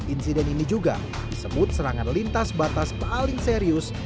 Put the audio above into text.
insiden ini juga disebut serangan lintas batas paling serius